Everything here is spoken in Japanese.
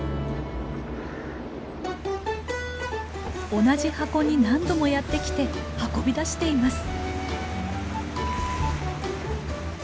同じ箱に何度もやって来て運び出しています。